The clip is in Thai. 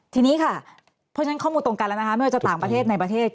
ทีนี้ค่ะเพราะฉะนั้นข้อมูลตรงกันแล้วนะคะไม่ว่าจะต่างประเทศในประเทศ